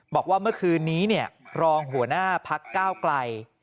บอกว่าเมื่อคืนนี้รองหัวหน้าพักก้าวไกล